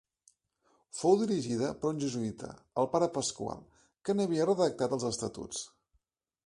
Fou dirigida per un jesuïta, el pare Pasqual, que n'havia redactat els estatuts.